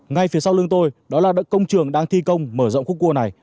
ngay phía sau lưng tôi đó là công trường đang thi công mở rộng khúc cua này